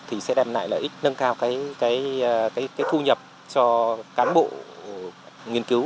thì sẽ đem lại lợi ích nâng cao cái thu nhập cho cán bộ nghiên cứu